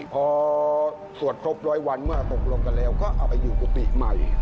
พอสวดครบร้อยวันเมื่อตกลงกันแล้วก็เอาไปอยู่กุฏิใหม่